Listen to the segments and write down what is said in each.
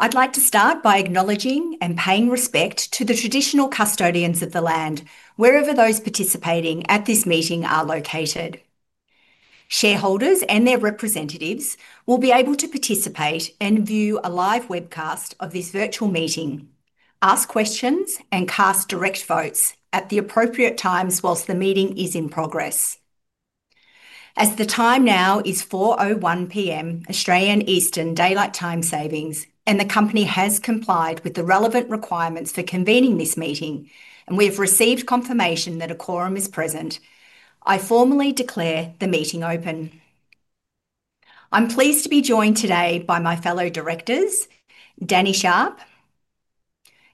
I'd like to start by acknowledging and paying respect to the traditional custodians of the land wherever those participating at this meeting are located. Shareholders and their representatives will be able to participate and view a live webcast of this virtual meeting, ask questions, and cast direct votes at the appropriate times whilst the meeting is in progress. As the time now is 4:01 P.M. Australian Eastern Daylight Time and the company has complied with the relevant requirements for convening this meeting, and we have received confirmation that a quorum is present, I formally declare the meeting open. I'm pleased to be joined today by my fellow directors, Daniel Sharp,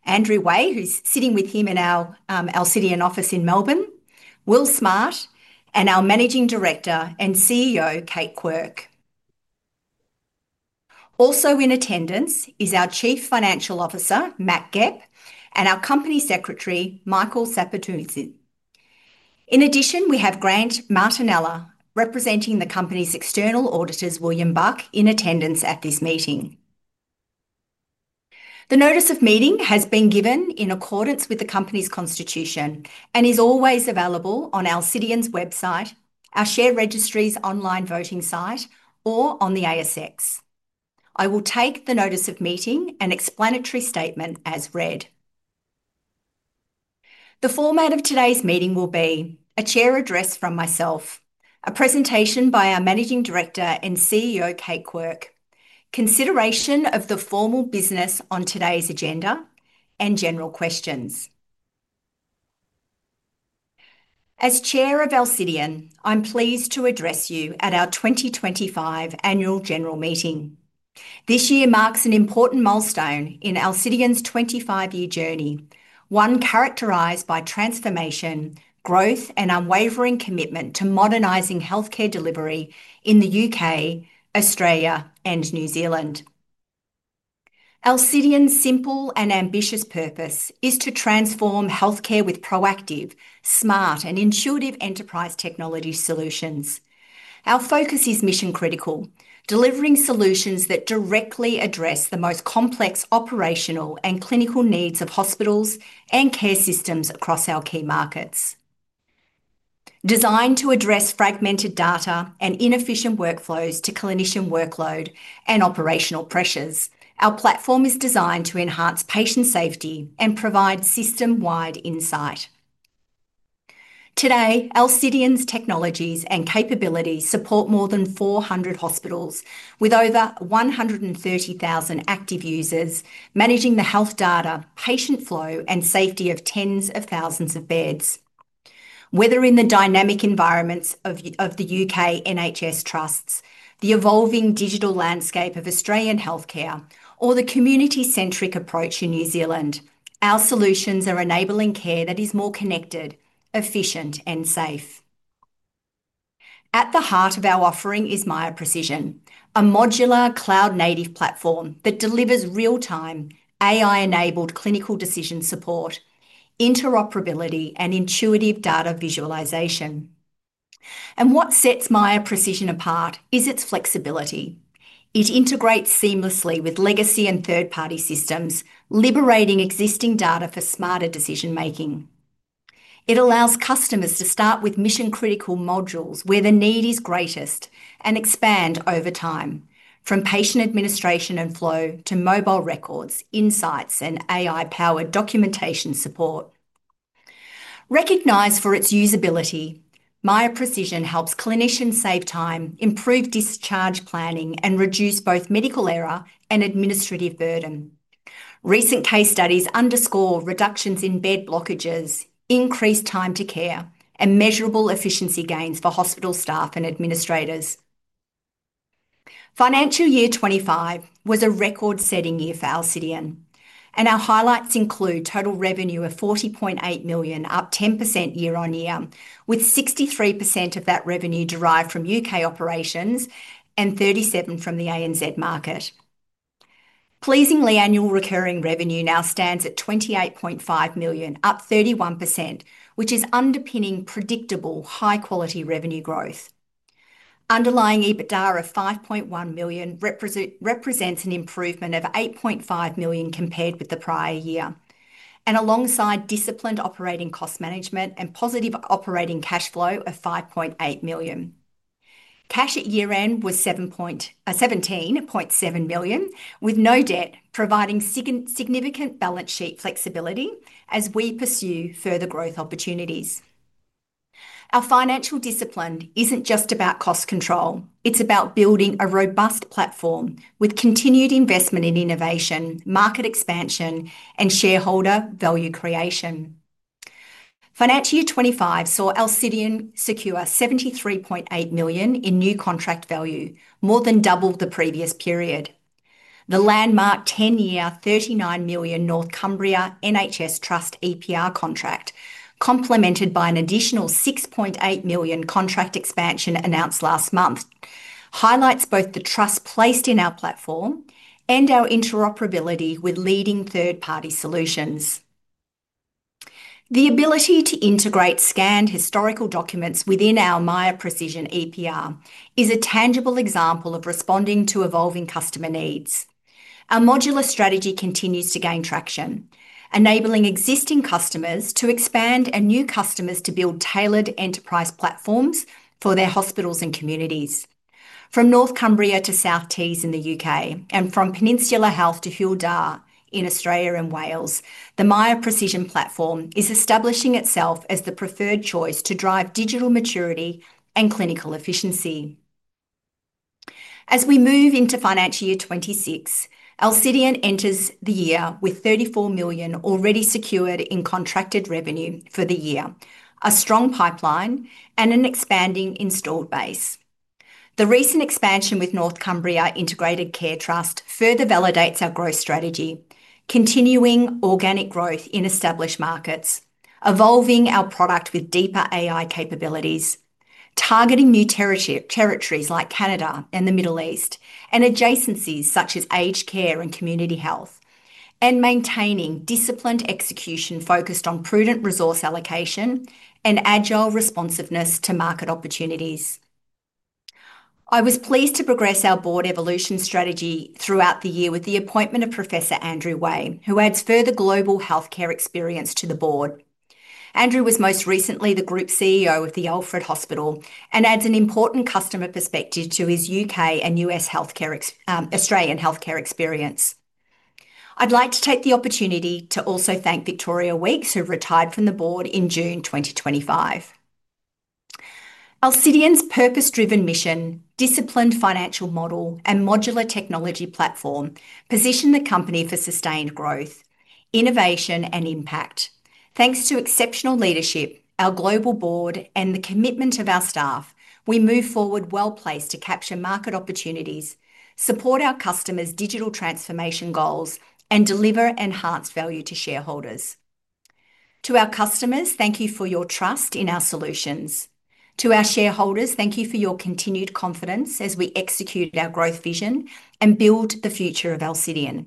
Andrew Wei, who's sitting with him in our Alcidion office in Melbourne, Will Smart, and our Managing Director and CEO, Kate Quirke. Also in attendance is our Chief Financial Officer, Matt Gepp, and our Company Secretary, Michael Sapountzis. In addition, we have Grant Martinella representing the company's external auditors, William Buck, in attendance at this meeting. The notice of meeting has been given in accordance with the company's constitution and is always available on Alcidion's website, our share registry's online voting site, or on the ASX. I will take the notice of meeting and explanatory statement as read. The format of today's meeting will be a Chair address from myself, a presentation by our Managing Director and CEO, Kate Quirke, consideration of the formal business on today's agenda, and general questions. As Chair of Alcidion, I'm pleased to address you at our 2025 Annual General Meeting. This year marks an important milestone in Alcidion's 25-year journey, one characterized by transformation, growth, and unwavering commitment to modernizing healthcare delivery in the U.K., Australia, and New Zealand. Alcidion's simple and ambitious purpose is to transform healthcare with proactive, smart, and intuitive enterprise technology solutions. Our focus is mission-critical, delivering solutions that directly address the most complex operational and clinical needs of hospitals and care systems across our key markets. Designed to address fragmented data and inefficient workflows to clinician workload and operational pressures, our platform is designed to enhance patient safety and provide system-wide insight. Today, Alcidion's technologies and capabilities support more than 400 hospitals with over 130,000 active users managing the health data, patient flow, and safety of tens of thousands of beds. Whether in the dynamic environments of the U.K. NHS Trusts, the evolving digital landscape of Australian healthcare, or the community-centric approach in New Zealand, our solutions are enabling care that is more connected, efficient, and safe. At the heart of our offering is Miya Precision, a modular cloud-native platform that delivers real-time, AI-enabled clinical decision support, interoperability, and intuitive data visualization. What sets Miya Precision apart is its flexibility. It integrates seamlessly with legacy and third-party systems, liberating existing data for smarter decision-making. It allows customers to start with mission-critical modules where the need is greatest and expand over time, from patient administration and flow to mobile records, insights, and AI-powered documentation support. Recognized for its usability, Miya Precision helps clinicians save time, improve discharge planning, and reduce both medical error and administrative burden. Recent case studies underscore reductions in bed blockages, increased time to care, and measurable efficiency gains for hospital staff and administrators. Financial year 2025 was a record-setting year for Alcidion, and our highlights include total revenue of 40.8 million, up 10% year-on-year, with 63% of that revenue derived from U.K. operations and 37% from the ANZ market. Pleasingly, annual recurring revenue now stands at 28.5 million, up 31%, which is underpinning predictable high-quality revenue growth. Underlying EBITDA of 5.1 million represents an improvement of 8.5 million compared with the prior year, and alongside disciplined operating cost management and positive operating cash flow of 5.8 million. Cash at year-end was 17.7 million, with no debt, providing significant balance sheet flexibility as we pursue further growth opportunities. Our financial discipline isn't just about cost control. It's about building a robust platform with continued investment in innovation, market expansion, and shareholder value creation. Financial year 2025 saw Alcidion secure 73.8 million in new contract value, more than double the previous period. The landmark 10-year 39 million Northumbria NHS Trust EPR contract, complemented by an additional 6.8 million contract expansion announced last month, highlights both the trust placed in our platform and our interoperability with leading third-party solutions. The ability to integrate scanned historical documents within our Miya Precision EPR is a tangible example of responding to evolving customer needs. Our modular strategy continues to gain traction, enabling existing customers to expand and new customers to build tailored enterprise platforms for their hospitals and communities. From Northumbria to South Tees in the U.K., and from Peninsula Health to Hywel Dda in Australia and Wales, the Miya Precision platform is establishing itself as the preferred choice to drive digital maturity and clinical efficiency. As we move into financial year 2026, Alcidion enters the year with 34 million already secured in contracted revenue for the year, a strong pipeline, and an expanding installed base. The recent expansion with Northumbria Integrated Care Trust further validates our growth strategy, continuing organic growth in established markets, evolving our product with deeper AI capabilities, targeting new territories like Canada and the Middle East, and adjacencies such as aged care and community health, and maintaining disciplined execution focused on prudent resource allocation and agile responsiveness to market opportunities. I was pleased to progress our board evolution strategy throughout the year with the appointment of Professor Andrew Way, who adds further global healthcare experience to the board. Andrew was most recently the Group CEO of the Alfred Hospital and adds an important customer perspective to his U.K. and U.S. healthcare, Australian healthcare experience. I'd like to take the opportunity to also thank Victoria Weekes, who retired from the board in June 2025. Alcidion's purpose-driven mission, disciplined financial model, and modular technology platform position the company for sustained growth, innovation, and impact. Thanks to exceptional leadership, our global board, and the commitment of our staff, we move forward well-placed to capture market opportunities, support our customers' digital transformation goals, and deliver enhanced value to shareholders. To our customers, thank you for your trust in our solutions. To our shareholders, thank you for your continued confidence as we execute our growth vision and build the future of Alcidion.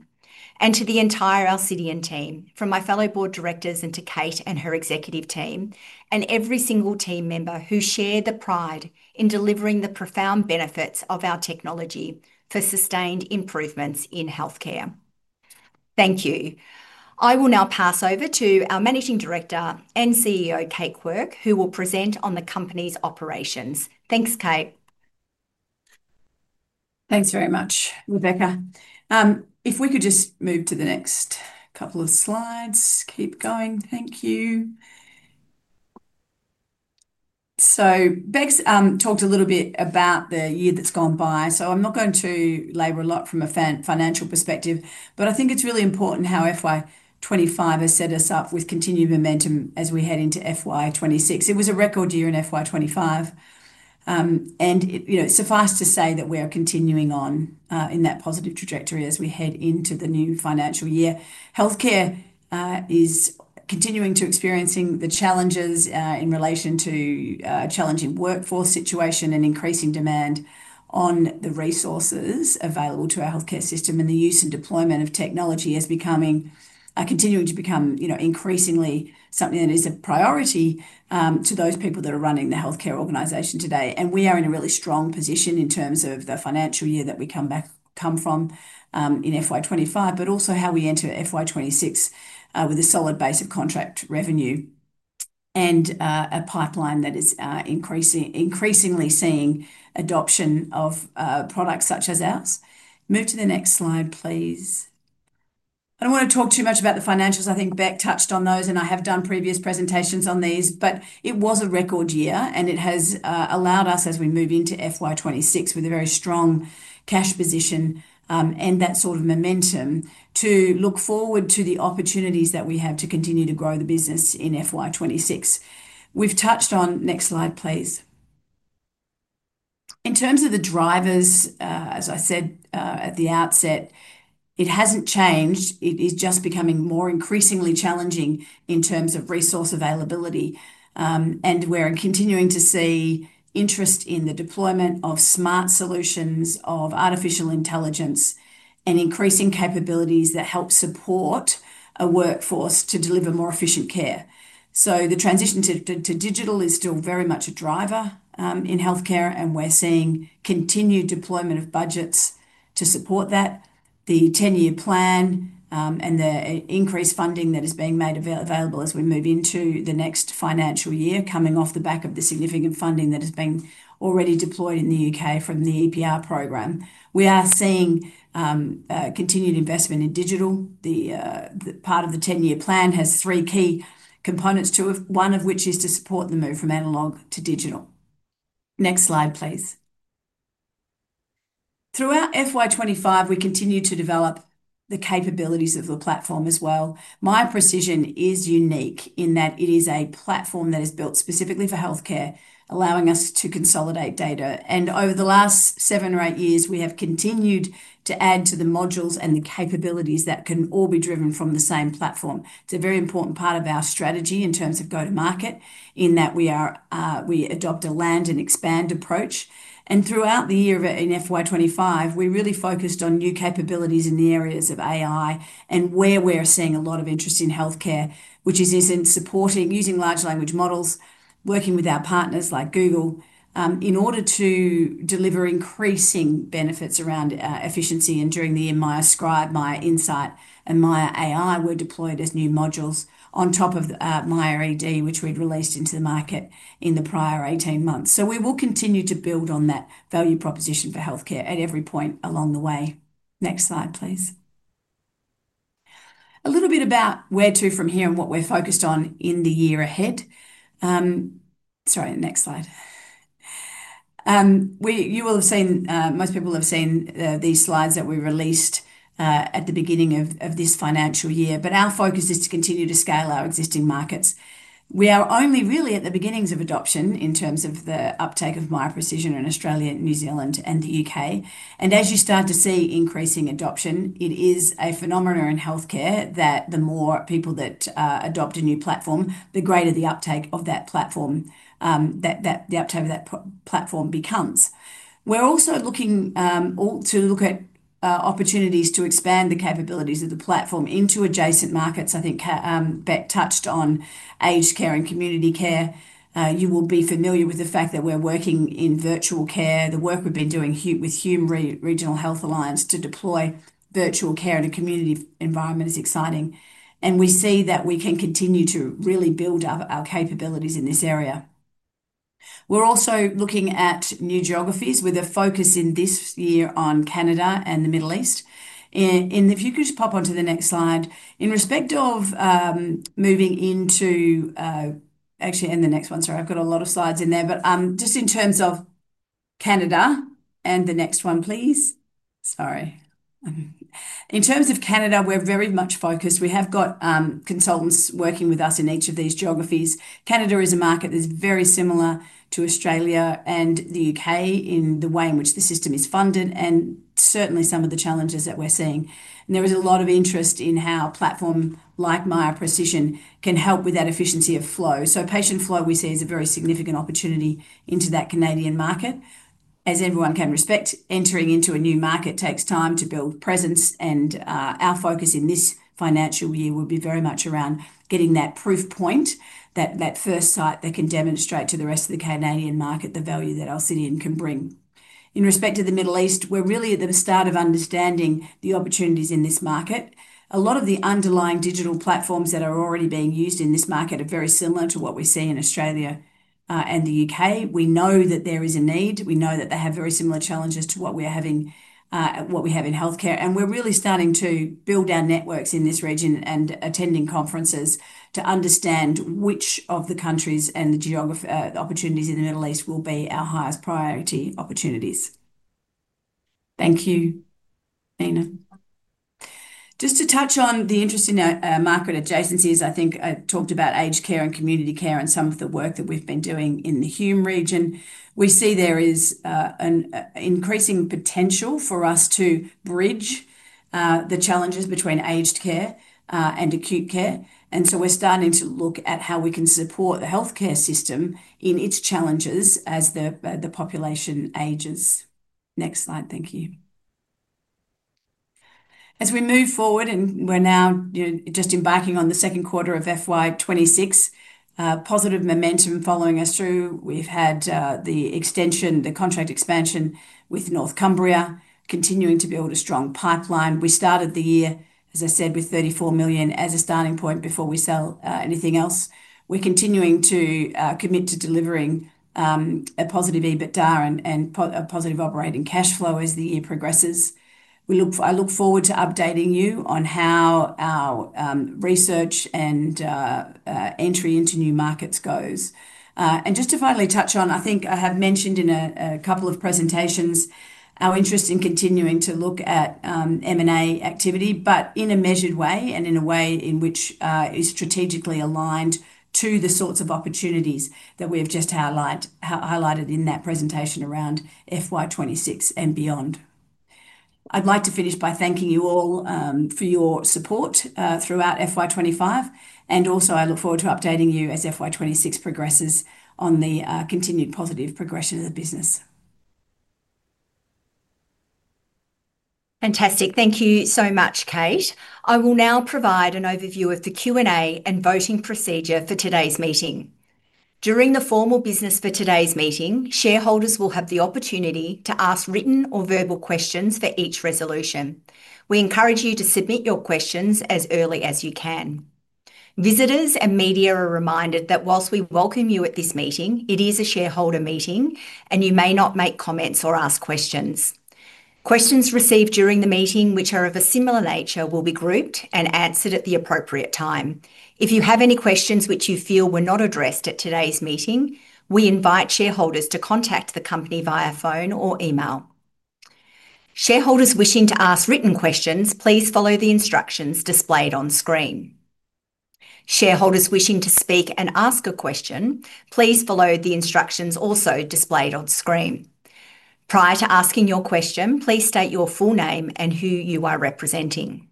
To the entire Alcidion team, from my fellow Board Directors to Kate and her executive team, and every single team member who shared the pride in delivering the profound benefits of our technology for sustained improvements in healthcare, thank you. I will now pass over to our Managing Director and CEO, Kate Quirke, who will present on the company's operations. Thanks, Kate. Thanks very much, Rebecca. If we could just move to the next couple of slides. Keep going. Thank you. Rebecca talked a little bit about the year that's gone by. I'm not going to labor a lot from a financial perspective, but I think it's really important how FY 2025 has set us up with continued momentum as we head into FY 2026. It was a record year in FY 2025, and it's surprising to say that we are continuing on in that positive trajectory as we head into the new financial year. Healthcare is continuing to experience the challenges in relation to a challenging workforce situation and increasing demand on the resources available to our healthcare system, and the use and deployment of technology is continuing to become increasingly something that is a priority to those people that are running the healthcare organization today. We are in a really strong position in terms of the financial year that we come from in FY 2025, but also how we enter FY 2026 with a solid base of contract revenue and a pipeline that is increasingly seeing adoption of products such as ours. Move to the next slide, please. I don't want to talk too much about the financials. I think Rebecca touched on those, and I have done previous presentations on these, but it was a record year, and it has allowed us, as we move into FY 2026 with a very strong cash position and that sort of momentum, to look forward to the opportunities that we have to continue to grow the business in FY 2026. We've touched on, next slide, please. In terms of the drivers, as I said at the outset, it hasn't changed. It is just becoming more increasingly challenging in terms of resource availability, and we're continuing to see interest in the deployment of smart solutions, of artificial intelligence, and increasing capabilities that help support a workforce to deliver more efficient care. The transition to digital is still very much a driver in healthcare, and we're seeing continued deployment of budgets to support that. The 10-year plan and the increased funding that is being made available as we move into the next financial year, coming off the back of the significant funding that has been already deployed in the U.K. from the EPR program, we are seeing continued investment in digital. The part of the 10-year plan has three key components to it, one of which is to support the move from analog to digital. Next slide, please. Throughout FY 2025, we continue to develop the capabilities of the platform as well. Miya Precision is unique in that it is a platform that is built specifically for healthcare, allowing us to consolidate data. Over the last seven or eight years, we have continued to add to the modules and the capabilities that can all be driven from the same platform. It's a very important part of our strategy in terms of go-to-market, in that we adopt a land and expand approach. Throughout the year in FY 2025, we really focused on new capabilities in the areas of AI and where we're seeing a lot of interest in healthcare, which is in supporting, using large language models, working with our partners like Google in order to deliver increasing benefits around efficiency. During the year, Miya Scribe, Miya Insight, and Miya AI were deployed as new modules on top of Miya Precision, which we'd released into the market in the prior 18 months. We will continue to build on that value proposition for healthcare at every point along the way. Next slide, please. A little bit about where to from here and what we're focused on in the year ahead. Sorry, next slide. You will have seen, most people have seen these slides that we released at the beginning of this financial year, but our focus is to continue to scale our existing markets. We are only really at the beginnings of adoption in terms of the uptake of Miya Precision in Australia, New Zealand, and the U.K.. As you start to see increasing adoption, it is a phenomenon in healthcare that the more people that adopt a new platform, the greater the uptake of that platform becomes. We're also looking to look at opportunities to expand the capabilities of the platform into adjacent markets. I think Bec touched on aged care and community care. You will be familiar with the fact that we're working in virtual care. The work we've been doing with HUME Regional Health Alliance to deploy virtual care in a community environment is exciting. We see that we can continue to really build our capabilities in this area. We're also looking at new geographies with a focus in this year on Canada and the Middle East. If you could just pop onto the next slide. In respect of moving into, actually, and the next one, sorry, I've got a lot of slides in there, but just in terms of Canada, and the next one, please. Sorry. In terms of Canada, we're very much focused. We have got consultants working with us in each of these geographies. Canada is a market that is very similar to Australia and the U.K. in the way in which the system is funded and certainly some of the challenges that we're seeing. There is a lot of interest in how a platform like Miya Precision can help with that efficiency of flow. Patient flow, we see, is a very significant opportunity into that Canadian market. As everyone can respect, entering into a new market takes time to build presence, and our focus in this financial year will be very much around getting that proof point, that first site that can demonstrate to the rest of the Canadian market the value that Alcidion can bring. In respect to the Middle East, we're really at the start of understanding the opportunities in this market. A lot of the underlying digital platforms that are already being used in this market are very similar to what we see in Australia and the U.K.. We know that there is a need. We know that they have very similar challenges to what we are having, what we have in healthcare. We're really starting to build our networks in this region and attending conferences to understand which of the countries and the geography, the opportunities in the Middle East will be our highest priority opportunities. Thank you, Nina. Just to touch on the interest in our market adjacencies, I think I talked about aged care and community care and some of the work that we've been doing in the HUME region. We see there is an increasing potential for us to bridge the challenges between aged care and acute care. We're starting to look at how we can support the healthcare system in its challenges as the population ages. Next slide, thank you. As we move forward, and we're now just embarking on the second quarter of FY 2026, positive momentum following us through. We've had the extension, the contract expansion with Northumbria, continuing to build a strong pipeline. We started the year, as I said, with 34 million as a starting point before we sell anything else. We're continuing to commit to delivering a positive EBITDA and a positive operating cash flow as the year progresses. I look forward to updating you on how our research and entry into new markets goes. Finally, I think I have mentioned in a couple of presentations our interest in continuing to look at M&A activity, but in a measured way and in a way which is strategically aligned to the sorts of opportunities that we have just highlighted in that presentation around FY 2026 and beyond. I'd like to finish by thanking you all for your support throughout FY 2025, and I look forward to updating you as FY 2026 progresses on the continued positive progression of the business. Fantastic. Thank you so much, Kate. I will now provide an overview of the Q&A and voting procedure for today's meeting. During the formal business for today's meeting, shareholders will have the opportunity to ask written or verbal questions for each resolution. We encourage you to submit your questions as early as you can. Visitors and media are reminded that whilst we welcome you at this meeting, it is a shareholder meeting and you may not make comments or ask questions. Questions received during the meeting, which are of a similar nature, will be grouped and answered at the appropriate time. If you have any questions which you feel were not addressed at today's meeting, we invite shareholders to contact the company via phone or email. Shareholders wishing to ask written questions, please follow the instructions displayed on screen. Shareholders wishing to speak and ask a question, please follow the instructions also displayed on screen. Prior to asking your question, please state your full name and who you are representing.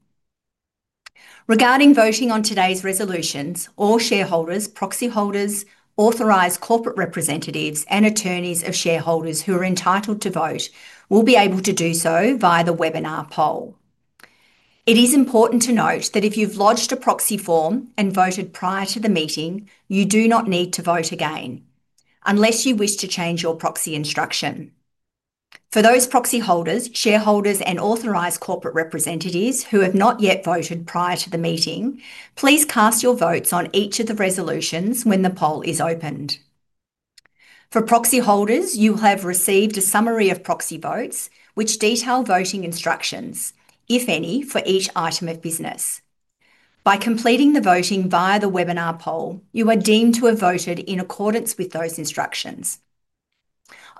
Regarding voting on today's resolutions, all shareholders, proxy holders, authorized corporate representatives, and attorneys of shareholders who are entitled to vote will be able to do so via the webinar poll. It is important to note that if you've lodged a proxy form and voted prior to the meeting, you do not need to vote again unless you wish to change your proxy instruction. For those proxy holders, shareholders, and authorized corporate representatives who have not yet voted prior to the meeting, please cast your votes on each of the resolutions when the poll is opened. For proxy holders, you have received a summary of proxy votes which detail voting instructions, if any, for each item of business. By completing the voting via the webinar poll, you are deemed to have voted in accordance with those instructions.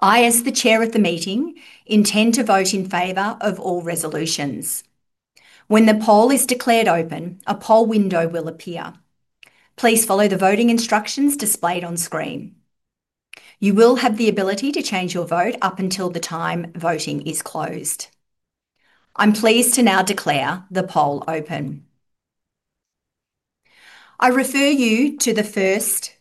I, as the Chair of the meeting, intend to vote in favor of all resolutions. When the poll is declared open, a poll window will appear. Please follow the voting instructions displayed on screen. You will have the ability to change your vote up until the time voting is closed. I'm pleased to now declare the poll open. I refer you to the first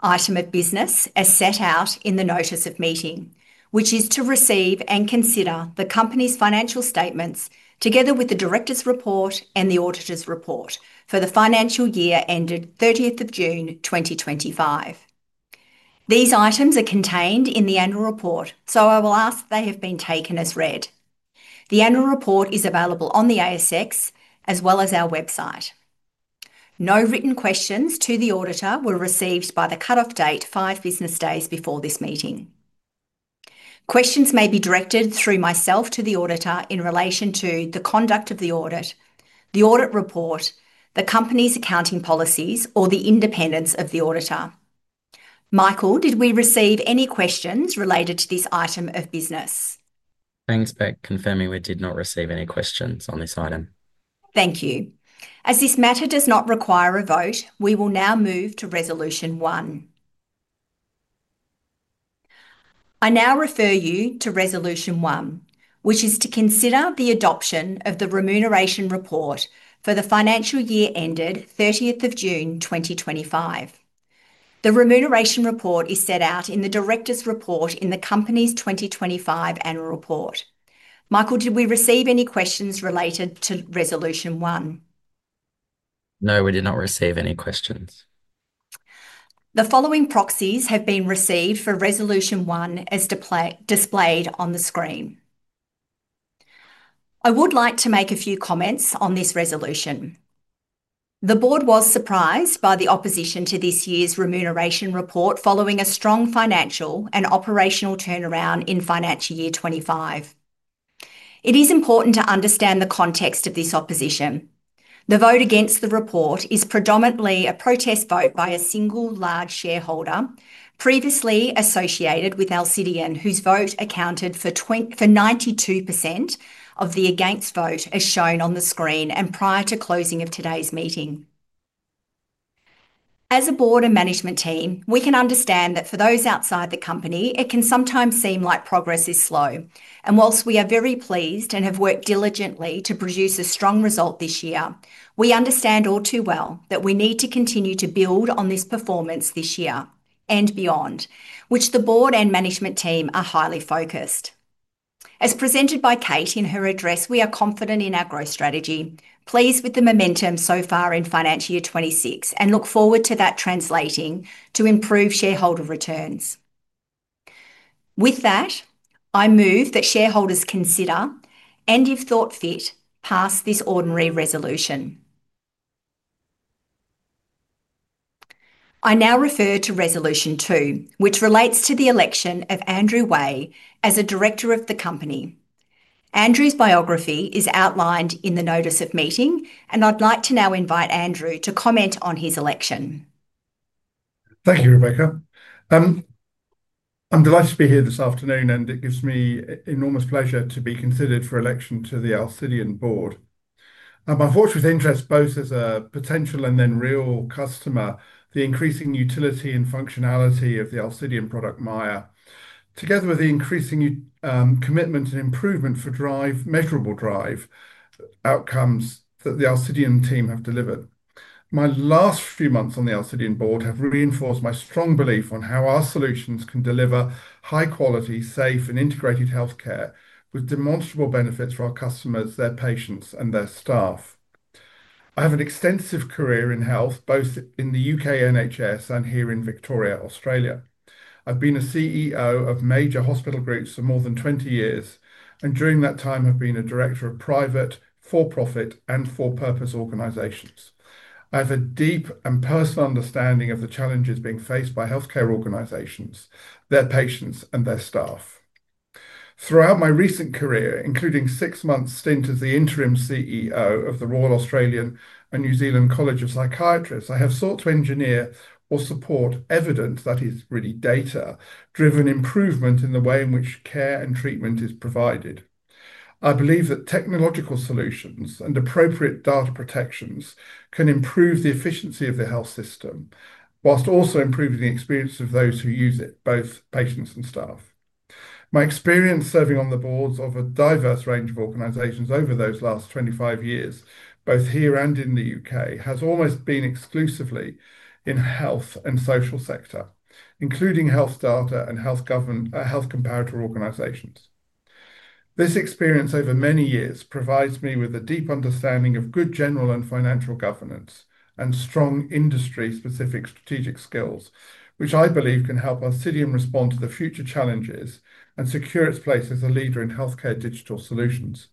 item of business as set out in the notice of meeting, which is to receive and consider the company's financial statements together with the Directors' Report and the Auditor's Report for the financial year ended June 30, 2025. These items are contained in the annual report, so I will ask that they have been taken as read. The annual report is available on the ASX as well as our website. No written questions to the auditor were received by the cut-off date five business days before this meeting. Questions may be directed through myself to the auditor in relation to the conduct of the audit, the audit report, the company's accounting policies, or the independence of the auditor. Michael, did we receive any questions related to this item of business? Thanks, Bec. Confirming we did not receive any questions on this item. Thank you. As this matter does not require a vote, we will now move to resolution one. I now refer you to resolution one, which is to consider the adoption of the remuneration report for the financial year ended 30 June 2025. The remuneration report is set out in the Director's Report in the company's 2025 Annual Report. Michael, did we receive any questions related to resolution one? No, we did not receive any questions. The following proxies have been received for resolution one as displayed on the screen. I would like to make a few comments on this resolution. The board was surprised by the opposition to this year's remuneration report following a strong financial and operational turnaround in financial year 2025. It is important to understand the context of this opposition. The vote against the report is predominantly a protest vote by a single large shareholder previously associated with Alcidion, whose vote accounted for 92% of the against vote as shown on the screen and prior to closing of today's meeting. As a board and management team, we can understand that for those outside the company, it can sometimes seem like progress is slow. Whilst we are very pleased and have worked diligently to produce a strong result this year, we understand all too well that we need to continue to build on this performance this year and beyond, which the board and management team are highly focused. As presented by Kate in her address, we are confident in our growth strategy, pleased with the momentum so far in financial year 2026, and look forward to that translating to improved shareholder returns. With that, I move that shareholders consider, and if thought fit, pass this ordinary resolution. I now refer to resolution two, which relates to the election of Andrew Wei as a director of the company. Andrew's biography is outlined in the notice of meeting, and I'd like to now invite Andrew to comment on his election. Thank you, Rebecca. I'm delighted to be here this afternoon, and it gives me enormous pleasure to be considered for election to the Alcidion board. I'm forged with interest both as a potential and then real customer, the increasing utility and functionality of the Alcidion product, Miya, together with the increasing commitment and improvement for measurable drive outcomes that the Alcidion team have delivered. My last few months on the Alcidion board have reinforced my strong belief on how our solutions can deliver high quality, safe, and integrated healthcare with demonstrable benefits for our customers, their patients, and their staff. I have an extensive career in health, both in the U.K. NHS and here in Victoria, Australia. I've been a CEO of major hospital groups for more than 20 years, and during that time have been a director of private, for-profit, and for-purpose organizations. I have a deep and personal understanding of the challenges being faced by healthcare organizations, their patients, and their staff. Throughout my recent career, including six months stint as the interim CEO of the Royal Australian and New Zealand College of Psychiatrists, I have sought to engineer or support evidence that is really data-driven improvement in the way in which care and treatment is provided. I believe that technological solutions and appropriate data protections can improve the efficiency of the health system, whilst also improving the experience of those who use it, both patients and staff. My experience serving on the boards of a diverse range of organizations over those last 25 years, both here and in the U.K., has almost been exclusively in the health and social sector, including health data and health comparator organizations. This experience over many years provides me with a deep understanding of good general and financial governance and strong industry-specific strategic skills, which I believe can help Alcidion respond to the future challenges and secure its place as a leader in healthcare digital solutions.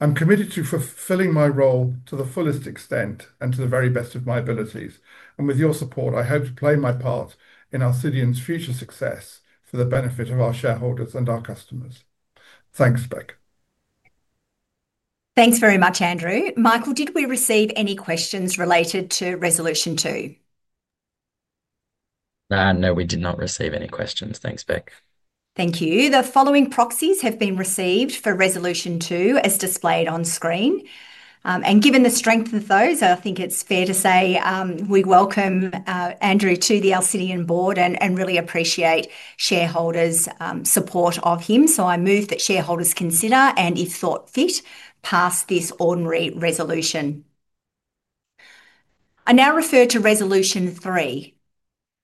I'm committed to fulfilling my role to the fullest extent and to the very best of my abilities. With your support, I hope to play my part in Alcidion's future success for the benefit of our shareholders and our customers. Thanks, Bec. Thanks very much, Andrew. Michael, did we receive any questions related to resolution two? No, we did not receive any questions. Thanks, Bec. Thank you. The following proxies have been received for resolution two as displayed on screen. Given the strength of those, I think it's fair to say we welcome Andrew to the Alcidion board and really appreciate shareholders' support of him. I move that shareholders consider, and if thought fit, pass this ordinary resolution. I now refer to resolution three,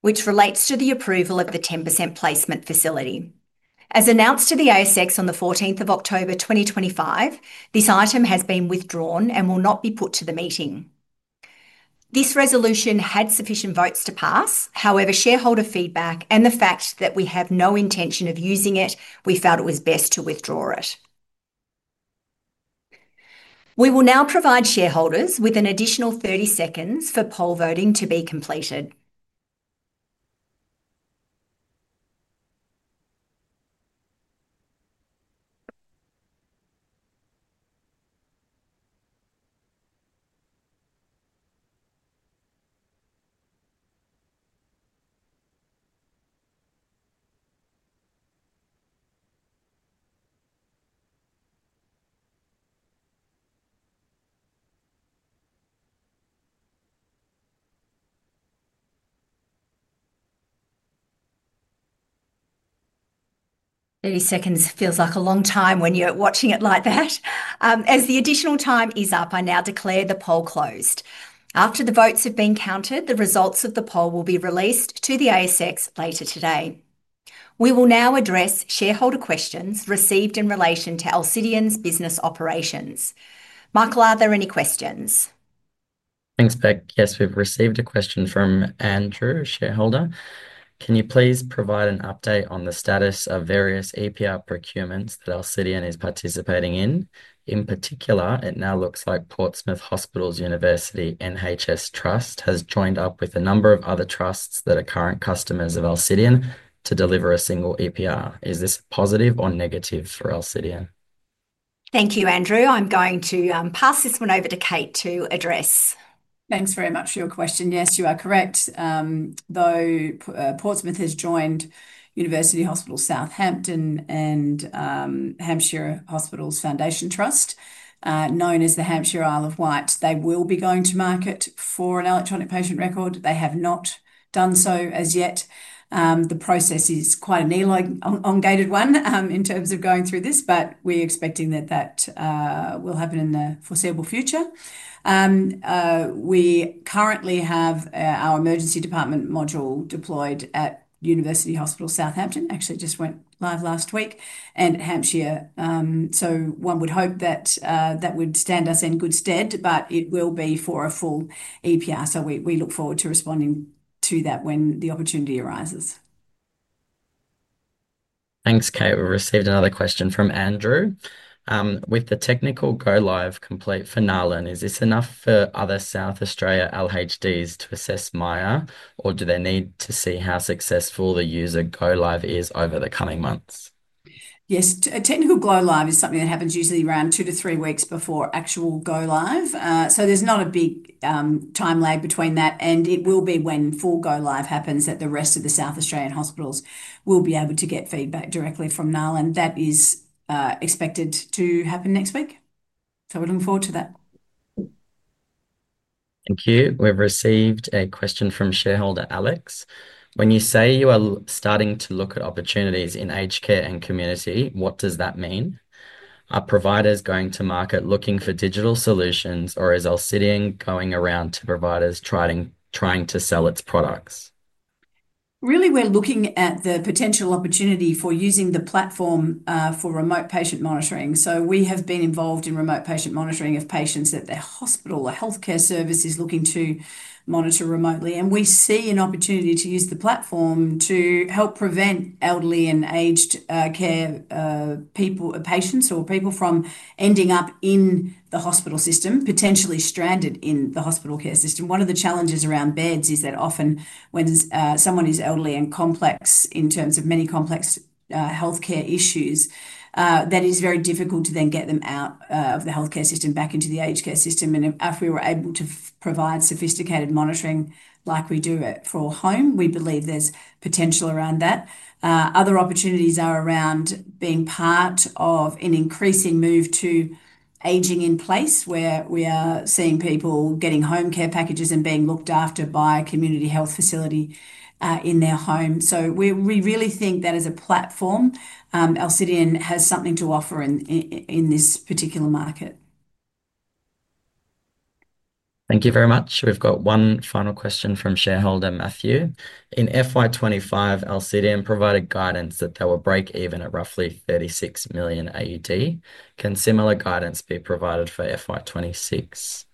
which relates to the approval of the 10% placement facility. As announced to the ASX on the 14th of October 2025, this item has been withdrawn and will not be put to the meeting. This resolution had sufficient votes to pass. However, shareholder feedback and the fact that we have no intention of using it, we felt it was best to withdraw it. We will now provide shareholders with an additional 30 seconds for poll voting to be completed. 30 seconds feels like a long time when you're watching it like that. As the additional time is up, I now declare the poll closed. After the votes have been counted, the results of the poll will be released to the ASX later today. We will now address shareholder questions received in relation to Alcidion's business operations. Michael, are there any questions? Thanks, Bec. Yes, we've received a question from Andrew, shareholder. Can you please provide an update on the status of various EPR procurements that Alcidion is participating in? In particular, it now looks like Portsmouth Hospitals University NHS Trust has joined up with a number of other trusts that are current customers of Alcidion to deliver a single EPR. Is this positive or negative for Alcidion? Thank you, Andrew. I'm going to pass this one over to Kate to address. Thanks very much for your question. Yes, you are correct. Though Portsmouth Hospitals University NHS Trust has joined University Hospital Southampton and Hampshire Hospitals Foundation Trust, known as the Hampshire Isle of Wight, they will be going to market for an electronic patient record. They have not done so as yet. The process is quite an elongated one in terms of going through this, but we're expecting that that will happen in the foreseeable future. We currently have our emergency department module deployed at University Hospital Southampton, actually just went live last week, and at Hampshire. One would hope that that would stand us in good stead, but it will be for a full EPR. We look forward to responding to that when the opportunity arises. Thanks, Kate. We received another question from Andrew. With the technical go-live complete for Alenka, is this enough for other South Australia LHDs to assess Miya, or do they need to see how successful the user go-live is over the coming months? Yes, a technical go-live is something that happens usually around two to three weeks before actual go-live. There's not a big time lag between that, and it will be when full go-live happens that the rest of the South Australian hospitals will be able to get feedback directly from Alcidion. That is expected to happen next week. We're looking forward to that. Thank you. We've received a question from shareholder Alex. When you say you are starting to look at opportunities in aged care and community, what does that mean? Are providers going to market looking for digital solutions, or is Alcidion going around to providers trying to sell its products? Really, we're looking at the potential opportunity for using the platform for remote patient monitoring. We have been involved in remote patient monitoring of patients at their hospital or healthcare services looking to monitor remotely. We see an opportunity to use the platform to help prevent elderly and aged care people, patients, or people from ending up in the hospital system, potentially stranded in the hospital care system. One of the challenges around beds is that often when someone is elderly and complex in terms of many complex healthcare issues, it is very difficult to then get them out of the healthcare system back into the aged care system. If we were able to provide sophisticated monitoring like we do for a home, we believe there's potential around that. Other opportunities are around being part of an increasing move to aging in place, where we are seeing people getting home care packages and being looked after by a community health facility in their home. We really think that as a platform, Alcidion has something to offer in this particular market. Thank you very much. We've got one final question from shareholder Matthew. In FY 2025, Alcidion provided guidance that they were break-even at roughly 36 million AUD. Can similar guidance be provided for FY 2026?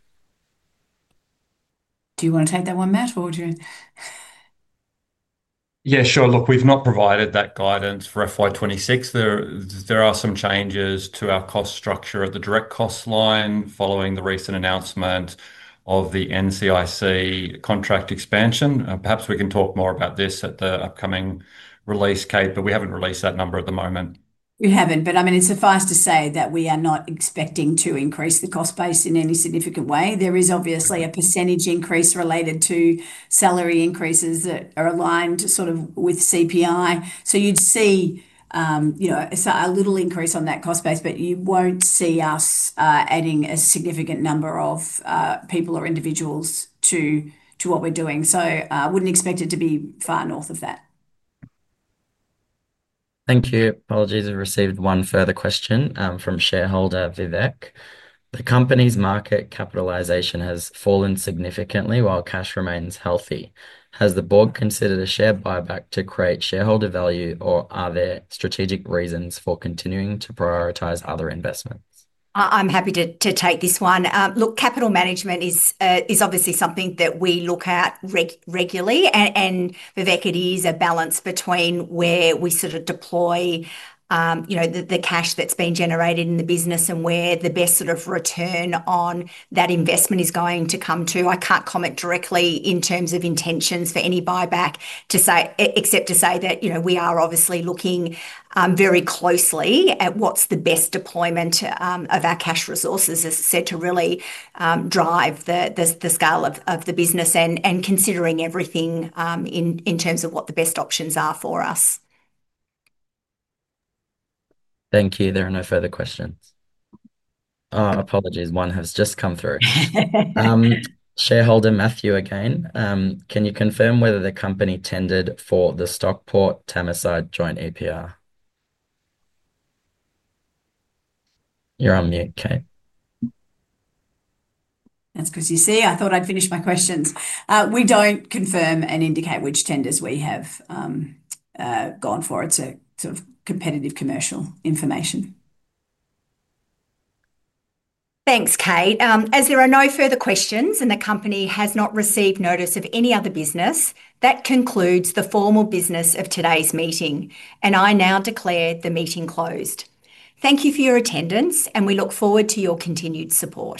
Do you want to take that one, Matt, or do you? Yeah, sure. Look, we've not provided that guidance for FY 2026. There are some changes to our cost structure at the direct cost line following the recent announcement of the NCIC contract expansion. Perhaps we can talk more about this at the upcoming release, Kate, but we haven't released that number at the moment. We haven't, but I mean, it's suffice to say that we are not expecting to increase the cost base in any significant way. There is obviously a percentage increase related to salary increases that are aligned sort of with CPI. You'd see, you know, a little increase on that cost base, but you won't see us adding a significant number of people or individuals to what we're doing. I wouldn't expect it to be far north of that. Thank you. Apologies. We've received one further question from shareholder Vivek. The company's market capitalization has fallen significantly while cash remains healthy. Has the board considered a share buyback to create shareholder value, or are there strategic reasons for continuing to prioritize other investments? I'm happy to take this one. Look, capital management is obviously something that we look at regularly, and Vivek, it is a balance between where we sort of deploy the cash that's been generated in the business and where the best sort of return on that investment is going to come to. I can't comment directly in terms of intentions for any buyback, except to say that we are obviously looking very closely at what's the best deployment of our cash resources, as I said, to really drive the scale of the business and considering everything in terms of what the best options are for us. Thank you. There are no further questions. Oh, apologies, one has just come through. Shareholder Matthew again. Can you confirm whether the company tendered for the Stockport Tameside joint EPR? You're on mute, Kate. That's because, you see, I thought I'd finish my questions. We don't confirm and indicate which tenders we have gone for. It's a sort of competitive, commercial information. Thanks, Kate. As there are no further questions and the company has not received notice of any other business, that concludes the formal business of today's meeting. I now declare the meeting closed. Thank you for your attendance, and we look forward to your continued support.